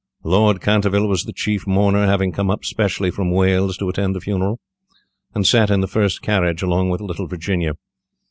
Lord Canterville was the chief mourner, having come up specially from Wales to attend the funeral, and sat in the first carriage along with little Virginia.